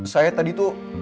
saya tadi tuh